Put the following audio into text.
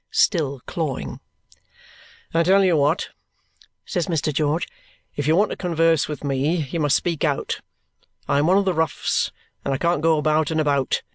(still clawing). "I tell you what," says Mr. George. "If you want to converse with me, you must speak out. I am one of the roughs, and I can't go about and about.